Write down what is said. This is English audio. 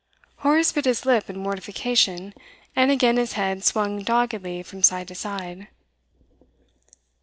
Horace bit his lip in mortification, and again his head swung doggedly from side to side.